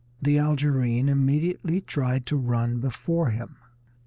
The Algerines immediately tried to run before him.